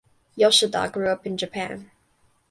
Yoshida grew up in Japan.